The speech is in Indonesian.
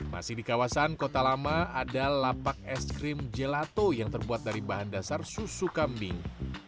masih di kawasan kota lama ada lapak es krim gelato yang terbuat dari bahan dasar susu kambing